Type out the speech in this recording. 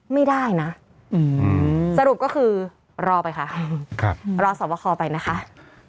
ไม่ได้นะสรุปก็คือรอไปค่ะรอสวัสดีของคอไปนะคะอ่า